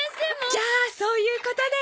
じゃそういうことで。